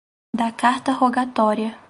Da Carta Rogatória